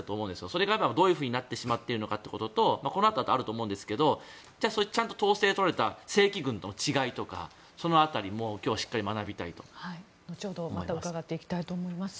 それがどういうふうになってしまっているのかということとこのあとあると思うんですがそれが、ちゃんと統制を取られた正規軍との違いとかその辺りも今日はしっかり学びたいと思います。